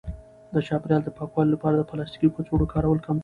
د چاپیریال د پاکوالي لپاره د پلاستیکي کڅوړو کارول کم کړئ.